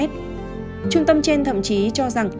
trung tâm trên thậm chí cho rằng